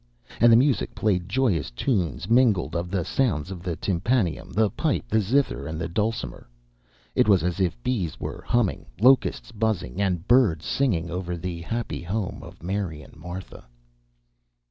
And the music played joyous tunes mingled of the sounds of the tympanum, the pipe, the zither and the dulcimer. It was as if bees were humming, locusts buzzing and birds singing over the happy home of Mary and Martha.